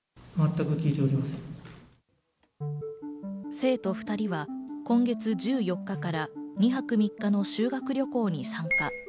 生徒２人は今月１４日から２泊３日の修学旅行に参加。